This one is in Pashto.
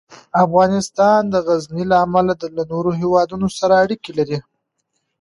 افغانستان د غزني له امله له نورو هېوادونو سره اړیکې لري.